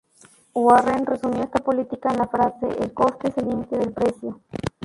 Warren resumió esta política en la frase ""el coste es el límite del precio"".